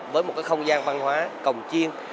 với một cái không gian văn hóa cồng chiên